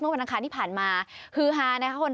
เมื่อวันทางค้านี้ผ่านมาฮือหานะครับคน